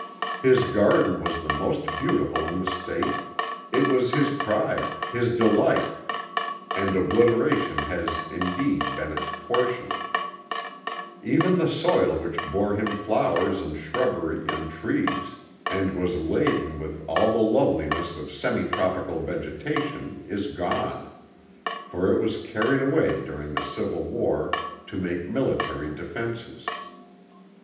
His garden was the most beautiful in the State, it was his pride, his delight, and obliteration has indeed been its portion; even the soil which bore him flowers and shrubbery and trees and was laden with all the loveliness of semi tropical vegetation is gone; for it was carried away during the Civil War to make military defenses.